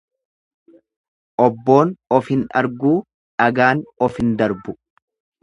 Obboon of hin arguu dhagaan of hin darbu.